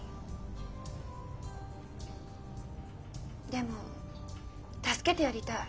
でも助けてやりたい。